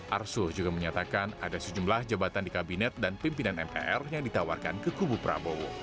arsul juga menyatakan ada sejumlah jabatan di kabinet dan pimpinan mpr yang ditawarkan ke kubu prabowo